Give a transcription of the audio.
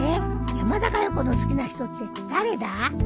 山田かよ子の好きな人って誰だ？